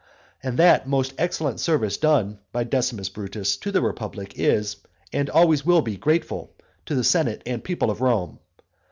And that most excellent service done by Decimus Brutus to the republic, is and always will be grateful to the senate and people of Rome.